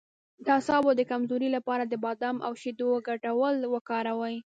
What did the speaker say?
د اعصابو د کمزوری لپاره د بادام او شیدو ګډول وکاروئ